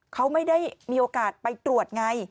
เขาไม่ได้มีโอกาสไปตรวจไง